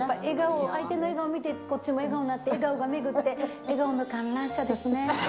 相手の笑顔を見て、こっちも笑顔になって、笑顔が巡って、笑顔の観覧車ですね。